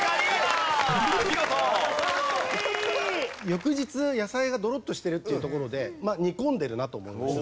翌日野菜がドロッとしてるっていうところで煮込んでるなと思いました。